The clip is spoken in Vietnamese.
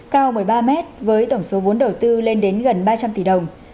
cao một mươi ba mét với tổng số vốn đầu tư lên đến gần ba trăm linh tỷ đồng